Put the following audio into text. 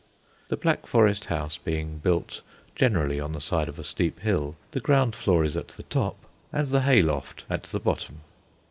(The Black Forest house being built generally on the side of a steep hill, the ground floor is at the top, and the hay loft at the bottom.)